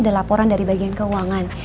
ada laporan dari bagian keuangan